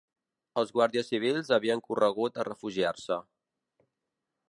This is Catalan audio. Els guàrdies civils havien corregut a refugiar-se